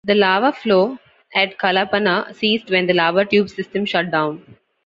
The lava flow at Kalapana ceased when the lava tube system shut down.